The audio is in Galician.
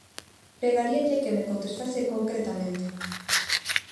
Pregaríalle que me contestase concretamente.